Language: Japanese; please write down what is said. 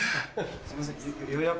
すいません。